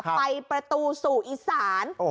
ไปประตูสู่อีสาน